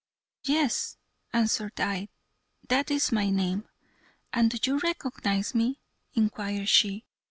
"Yes," answered I, "that is my name." "And do you recognize me?" inquired she.